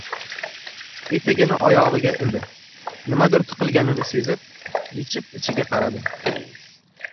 Etigini oyogʻiga ildi, nimadir tiqilganini sezib, yechib ichiga qaradi.